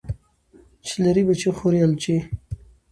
چی لری بچي خوري الوچی .